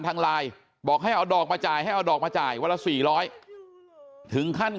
ทางไลน์บอกให้เอาดอกมาจ่ายให้เอาดอกมาจ่ายวันละ๔๐๐ถึงขั้น